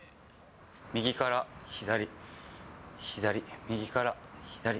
右から左、左、右から左。